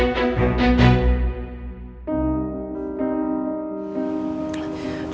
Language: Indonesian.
nanti gue sembuh